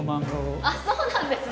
あっそうなんですね。